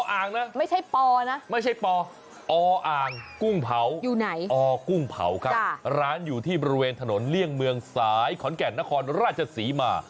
ออ่างนะไม่ใช่ปอนะออ่างกุ้งเผาอกุ้งเผาครับร้านอยู่ที่บริเวณถนนเลี่ยงเมืองซ้ายขอนกัลนครรภ์ราชศรีมา